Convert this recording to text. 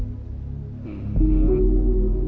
ふん。